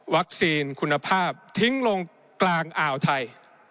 คุณภาพทิ้งลงกลางอ่าวไทย